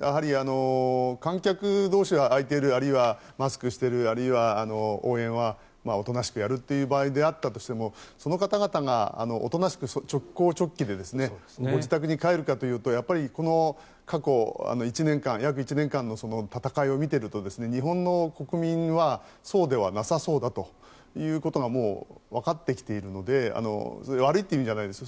やはり、観客同士が空いているあるいはマスクしているあるいは応援はおとなしくやるという場合であったとしてもその方々がおとなしく直行直帰でご自宅に帰るかというとやっぱり過去約１年間の闘いを見ていると日本の国民はそうではなさそうだということがもうわかってきているので悪いという意味じゃないですよ。